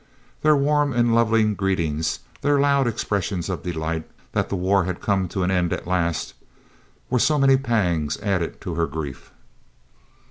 Their warm and loving greetings, their loud expressions of delight that the war had come to an end at last, were so many pangs added to her grief.